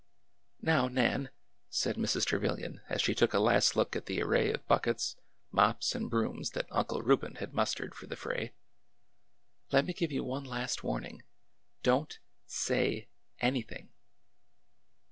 '' Now, Nan,'' said Mrs. Trevilian as she took a last look at the array of buckets, mops, and brooms that Uncle Reuben had mustered for the fray, " let me give you one last warning. Don't— say— anything